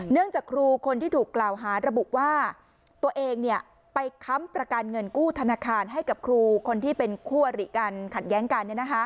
จากครูคนที่ถูกกล่าวหาระบุว่าตัวเองไปค้ำประกันเงินกู้ธนาคารให้กับครูคนที่เป็นคู่อริกันขัดแย้งกัน